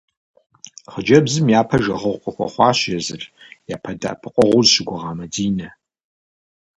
Хъыджэбзым япэ жагъуэгъу къыхуэхъуащ езыр япэ дэӏэпыкъуэгъуу зыщыгугъа Мадинэ.